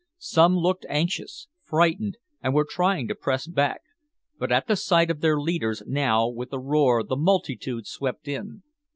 Some looked anxious, frightened, and were trying to press back, but at the sight of their leaders now with a roar the multitude swept in.